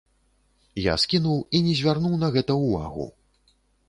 Я скінуў і не звярнуў на гэта ўвагу.